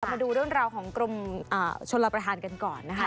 มาดูเรื่องราวของกรมชนรับประทานกันก่อนนะคะ